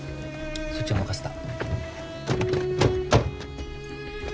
そっちは任せた。